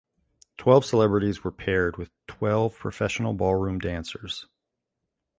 Twelve celebrities were paired with twelve professional ballroom dancers.